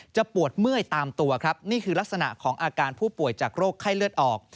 ปวดเมื่อยตามตัวครับนี่คือลักษณะของอาการผู้ป่วยจากโรคไข้เลือดออก